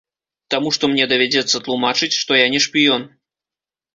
Таму што мне давядзецца тлумачыць, што я не шпіён.